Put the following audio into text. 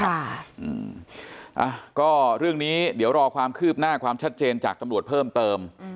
อ่าก็เรื่องนี้เดี๋ยวรอความคืบหน้าความชัดเจนจากตำรวจเพิ่มเติม